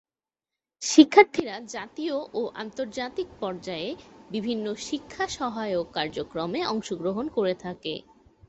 শিক্ষার্থীরা জাতীয় ও আন্তর্জাতিক পর্যায়ে বিভিন্ন শিক্ষা সহায়ক কার্যক্রমে অংশগ্রহণ করে থাকে।